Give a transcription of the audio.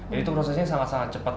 jadi itu prosesnya sangat sangat cepat